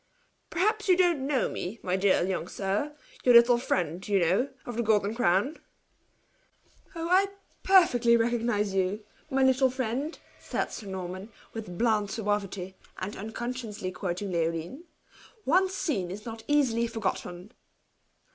"Perhaps you don't know me, my dear young sir your little friend, you know, of the Golden Crown." "Oh, I perfectly recognize you! My little friend," said Sir Norman, with bland suavity, and unconsciously quoting Leoline, "once seen in not easy to be forgotten."